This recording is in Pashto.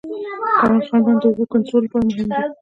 کمال خان بند د اوبو کنټرول لپاره مهم دی